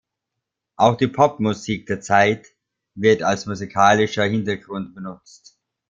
Auch die Popmusik der Zeit wird als musikalischer Hintergrund benutzt.